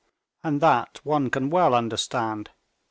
And that one can well understand.